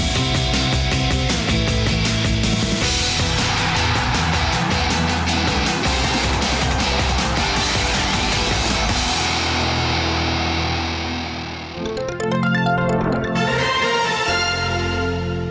โปรดติดตามตอนต่อไป